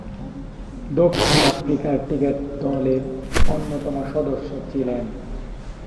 দক্ষিণ Africa cricket দলের অন্যতম সদস্য ছিলেন।